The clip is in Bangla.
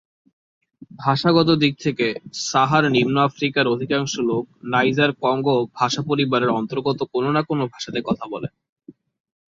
ভাষাগত দিক থেকে সাহার-নিম্ন আফ্রিকার অধিকাংশ লোক নাইজার-কঙ্গো ভাষাপরিবারের অন্তর্গত কোন না কোন ভাষাতে কথা বলে।